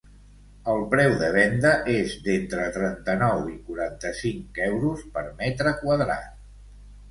El preu de venda és d’entre trenta-nou i quaranta-cinc euros per metre quadrat.